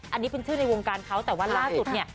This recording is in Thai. อันนี้เป็นชื่อในวงการเขาแต่ว่าล่าสุดเนี่ย